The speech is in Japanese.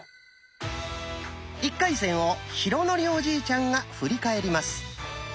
１回戦を浩徳おじいちゃんがふりかえります。